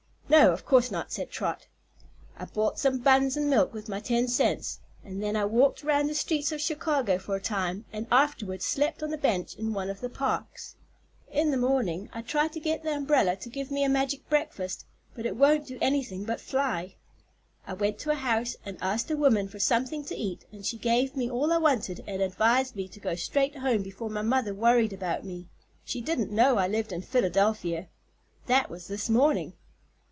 "No, of course not," said Trot. "I bought some buns and milk with my ten cents and then I walked around the streets of Chicago for a time and afterward slept on a bench in one of the parks. In the morning I tried to get the umbrella to give me a magic breakfast, but it won't do anything but fly. I went to a house and asked a woman for something to eat and she gave me all I wanted and advised me to go straight home before my mother worried about me. She didn't know I lived in Philadelphia. That was this morning."